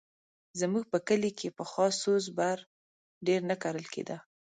زموږ په کلي کښې پخوا سوز بر ډېر نه کرل کېدی.